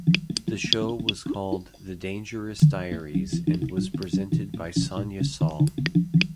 The show was called "The Dangerous Diaries" and was presented by Sonya Saul.